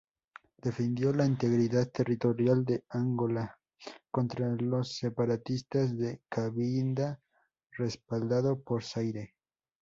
Defendió la integridad territorial de Angola contra los separatistas de Cabinda respaldado por Zaire.